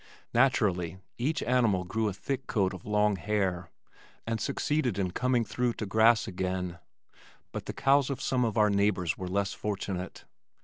Naturally each animal grew a thick coat of long hair, and succeeded in coming through to grass again, but the cows of some of our neighbors were less fortunate.